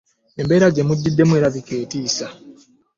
Embeera gye mujjiddemu erabika etiisa.